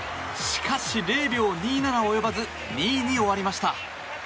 しかし、０秒２７及ばず２位に終わりました。